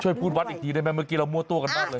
ช่วยพูดวัดอีกทีได้ไหมเมื่อกี้เรามั่วตัวกันมากเลย